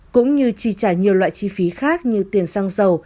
cũng như trì trả nhiều loại chi phí khác như tiền sang dâu